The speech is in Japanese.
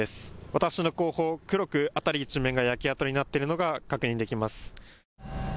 私の後方、黒く辺り一面が焼け跡になっているのが確認できます。